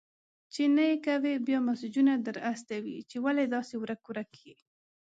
چي نې کوې، بيا مسېجونه در استوي چي ولي داسي ورک-ورک يې؟!